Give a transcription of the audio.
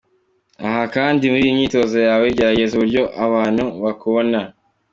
Aha kandi muri iyi myitozo yawe, gerageza uburyo abantu bakubona.